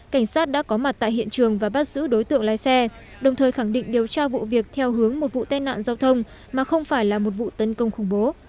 cảnh sát đã có mặt tại hiện trường và bắt giữ đối tượng lái xe đồng thời khẳng định điều tra vụ việc theo hướng một vụ tai nạn giao thông mà không phải là một vụ tấn công khủng bố